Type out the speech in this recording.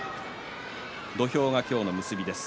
土俵は、今日の結びです。